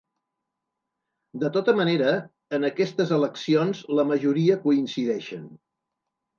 De tota manera, en aquestes eleccions, la majoria coincideixen.